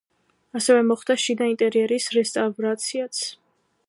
ასევე მოხდა შიდა ინტერიერის რესტავრაციაც.